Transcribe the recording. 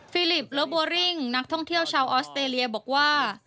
ฟิลิปเลอโบริ่งนักท่องเที่ยวชาวออสเตรเลียบอกว่า